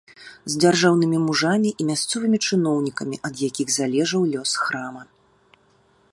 З дзяржаўнымі мужамі і мясцовымі чыноўнікамі, ад якіх залежаў лёс храма.